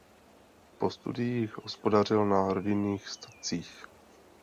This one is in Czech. Po studiích hospodařil na rodinných statcích.